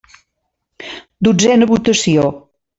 Dotzena votació.